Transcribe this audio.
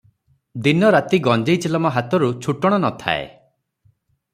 ଦିନ ରାତି ଗଞ୍ଜେଇ ଚିଲମ ହାତରୁ ଛୁଟଣ ନ ଥାଏ ।